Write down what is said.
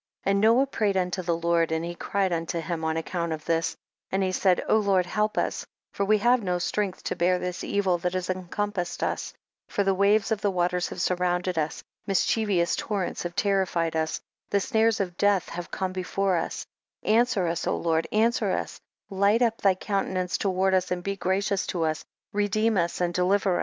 31. And Noah prayed unto the Lord, and he cried unto him on ac count of this, and he said, Lord help us, for we have no strength to bear this evil that has encompassed us, for the waves of the waters have .surrounded us, mischievous torrents have terrified us, the snares of death have come before us ; answer us, O Lord, answer us, hght up thy coun tenance toward us and be gracious to us, redeem us and deliver us.